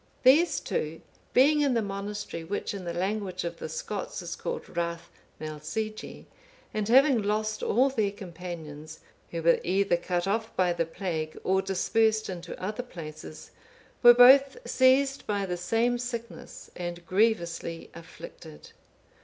These two being in the monastery which in the language of the Scots is called Rathmelsigi,(490) and having lost all their companions, who were either cut off by the plague, or dispersed into other places, were both seized by the same sickness, and grievously afflicted.